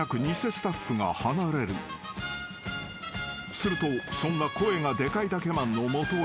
［するとそんな声がデカいだけマンの元へ］